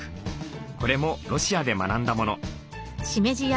これもロシアで学んだもの。